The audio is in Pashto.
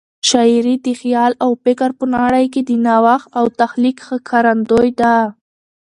شاعري د خیال او فکر په نړۍ کې د نوښت او تخلیق ښکارندوی ده.